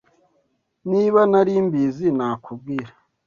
Niba nari mbizi, nakubwira.